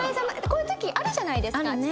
こういう時あるじゃないですか。